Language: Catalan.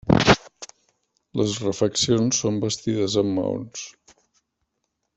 Les refeccions són bastides amb maons.